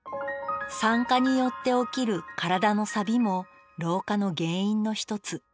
酸化によって起きる体のさびも老化の原因の一つ。